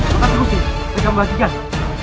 terima kasih gusdi saya akan membagikannya